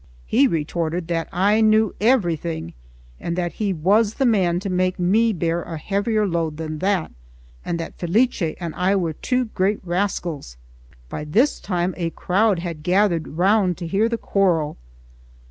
He retorted that I knew everything, and that he was the man to make me bear a heavier load than that, and that Felice and I were two great rascals. By this time a crowd had gathered round to hear the quarrel.